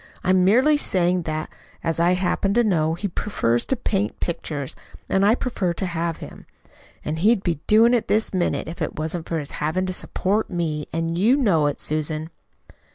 "I'm merely saying that, as I happen to know, he prefers to paint pictures and I prefer to have him. And he'd be doing it this minute if it wasn't for his having to support me, and you know it, Susan."